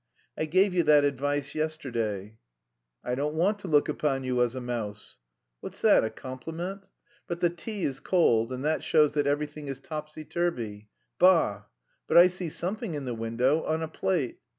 I gave you that advice yesterday." "I don't want to look upon you as a mouse." "What's that, a compliment? But the tea is cold and that shows that everything is topsy turvy. Bah! But I see something in the window, on a plate."